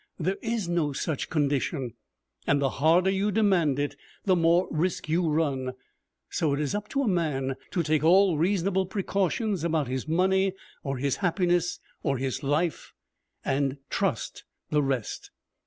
There is no such condition, and the harder you demand it, the more risk you run. So it is up to a man to take all reasonable precautions about his money, or his happiness, or his life, and trust the rest.